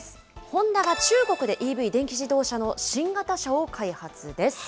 ホンダが中国でＥＶ・電気自動車の新型車を開発です。